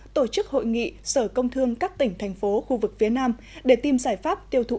tổ chức hội nghị sở công thương các tỉnh thành phố khu vực phía nam để tìm giải pháp tiêu thụ